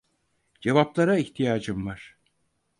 Cevaplara ihtiyacım var.